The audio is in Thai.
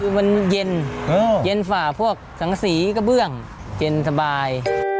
คือมันเย็นเย็นฝ่าพวกสังสีกระเบื้องเย็นสบาย